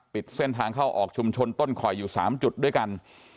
ปิดเส้นทางเข้าออกชุมชนต้นคอยอยู่๓จุดด้วยกัน